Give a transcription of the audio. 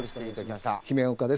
姫岡です。